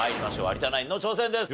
有田ナインの挑戦です。